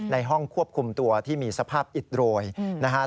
ในห้องควบคุมตัวที่มีสภาพอิดโรยนะครับ